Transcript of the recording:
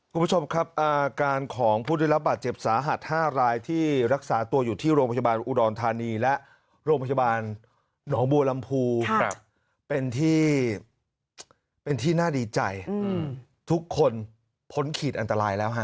คุณผู้ชมครับอาการของผู้ได้รับบาดเจ็บสาหัส๕รายที่รักษาตัวอยู่ที่โรงพยาบาลอุดรธานีและโรงพยาบาลหนองบัวลำพูเป็นที่เป็นที่น่าดีใจทุกคนพ้นขีดอันตรายแล้วฮะ